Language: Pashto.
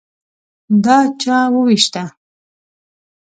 _دا چا ووېشته؟